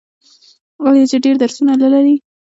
آیا چې ډیر درسونه نلري؟